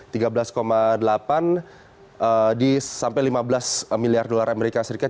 sampai lima belas miliar dolar amerika serikat